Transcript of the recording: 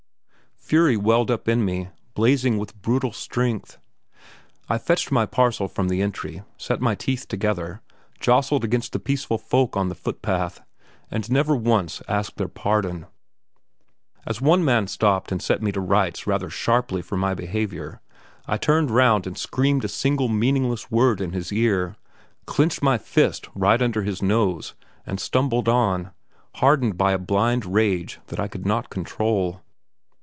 Fury welled up in me, blazing with brutal strength. I fetched my parcel from the entry, set my teeth together, jostled against the peaceful folk on the footpath, and never once asked their pardon. As one man stopped and set me to rights rather sharply for my behaviour, I turned round and screamed a single meaningless word in his ear, clenched my fist right under his nose, and stumbled on, hardened by a blind rage that I could not control.